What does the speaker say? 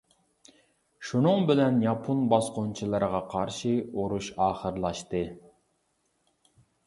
شۇنىڭ بىلەن ياپون باسقۇنچىلىرىغا قارشى ئۇرۇش ئاخىرلاشتى.